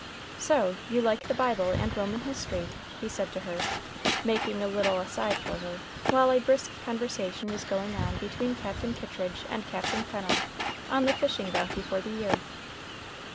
"So you like the Bible and Roman history?" he said to her, making a little aside for her, while a brisk conversation was going on between Captain Kittridge and Captain Pennel on the fishing bounty for the year.